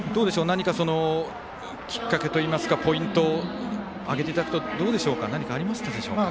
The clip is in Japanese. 何か、そのきっかけといいますかポイント、挙げていただくと何かありましたでしょうか？